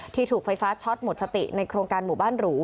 ถูกไฟฟ้าช็อตหมดสติในโครงการหมู่บ้านหรู